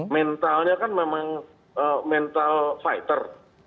mentalnya kan memang mental fighter